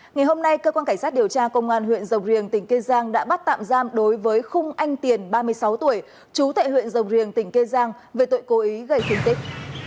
ngày hôm nay cơ quan cảnh sát điều tra công an huyện rồng riêng tỉnh kê giang đã bắt tạm giam đối với khung anh tiền ba mươi sáu tuổi chú thệ huyện rồng riêng tỉnh kê giang về tội cố ý gây khuyến tích